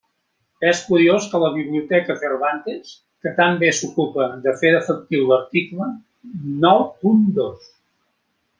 És curiós que la Biblioteca Cervantes, que tan bé s'ocupa de fer efectiu l'article nou punt dos.